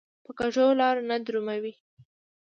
په کږو لارو نه درومي.